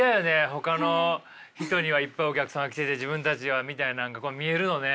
ほかの人にはいっぱいお客さんが来てて自分たちはみたいなんが見えるのね。